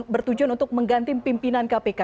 bertujuan untuk mengganti pimpinan kpk